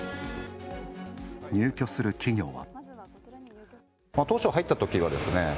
入居する企業は。